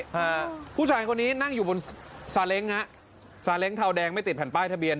ฮะผู้ชายคนนี้นั่งอยู่บนซาเล้งฮะซาเล้งเทาแดงไม่ติดแผ่นป้ายทะเบีย